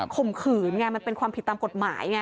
ข่มขืนไงมันเป็นความผิดตามกฎหมายไง